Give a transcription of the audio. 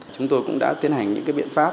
chúng tôi cũng đã tiến hành những biện pháp